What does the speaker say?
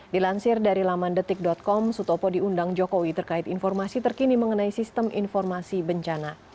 dilansir dari lamandetik com sutopo diundang jokowi terkait informasi terkini mengenai sistem informasi bencana